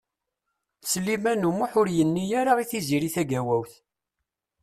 Sliman U Muḥ ur yenni ara i Tiziri Tagawawt.